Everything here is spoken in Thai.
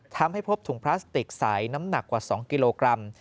ทำให้พบถุงพลาสติกใสน้ำหนักกว่า๒กิโลกรัม